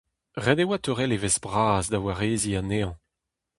Ret e oa teurel evezh-bras da wareziñ anezhañ.